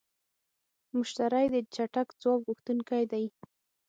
مشتری د چټک ځواب غوښتونکی دی.